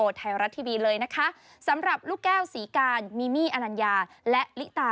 ช่วยบอกเธอ